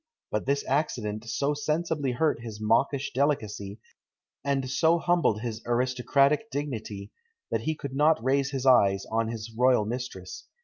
But this accident so sensibly hurt his mawkish delicacy, and so humbled his aristocratic dignity, that he could not raise his eyes on his royal mistress.